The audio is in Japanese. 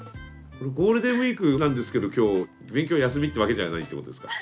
ゴールデンウイークなんですけど今日勉強休みってわけじゃないってことですか？